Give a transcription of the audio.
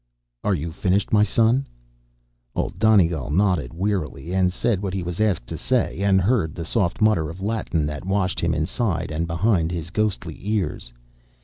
"Are you finished, my son?" Old Donegal nodded wearily, and said what he was asked to say, and heard the soft mutter of Latin that washed him inside and behind his ghostly ears